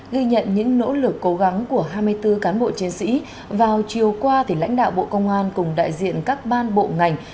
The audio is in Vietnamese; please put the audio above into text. ghi nhận những nỗ lực cố gắng của hai mươi bốn cán bộ chiến sĩ vào chiều qua lãnh đạo bộ công an cùng đại diện các ban bộ ngành